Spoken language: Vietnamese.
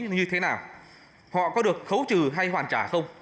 như thế nào họ có được khấu trừ hay hoàn trả không